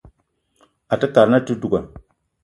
Àte kad na àte duga